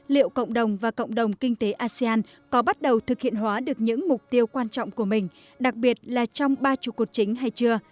liệu cộng đồng và cộng đồng kinh tế asean có bắt đầu thực hiện hóa được những mục tiêu quan trọng của mình đặc biệt là trong ba trụ cột chính hay chưa